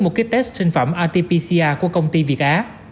mua ký test sinh phẩm rt pcr của công ty việt á